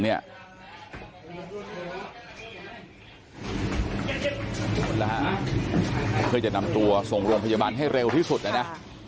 เพื่อจะนำตัวส่งโรงพยาบาลให้เร็วที่สุดนะนะ